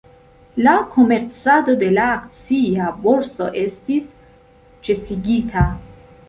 La komercado de la akcia borso estis ĉesigita.